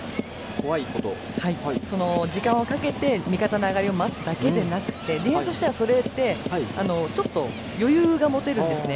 時間をかけて、味方の上がりを待つだけではなくてディフェンスとしては、それってちょっと余裕が持てるんですね